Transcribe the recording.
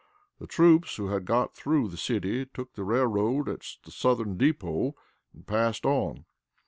The troops who had got through the city took the railroad at the Southern Depot and passed on.